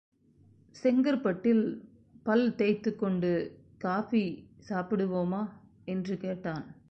செங்கற்பட்டில் பல் தேய்த்துக் கொண்டு காபி சாப்பிடுவோமா? என்று கேட்டான்.